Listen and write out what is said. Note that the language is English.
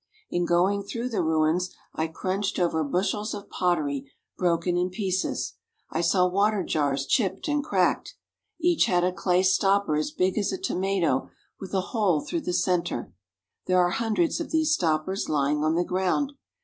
In going through the ruins I crunched over bushels of pottery broken in pieces. I saw water jars chipped and cracked. Each had a clay stopper as big as a tomato with a hole through the centre. There are hundreds of these stoppers lying on the ground.